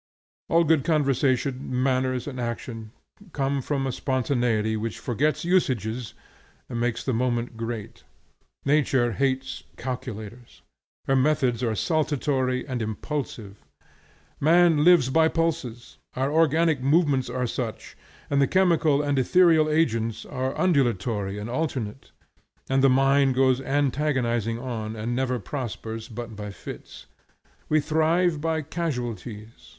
All good conversation, manners, and action, come from a spontaneity which forgets usages and makes the moment great. Nature hates calculators; her methods are saltatory and impulsive. Man lives by pulses; our organic movements are such; and the chemical and ethereal agents are undulatory and alternate; and the mind goes antagonizing on, and never prospers but by fits. We thrive by casualties.